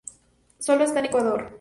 Solo está en Ecuador.